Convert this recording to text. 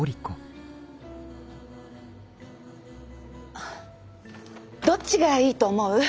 あっどっちがいいと思う？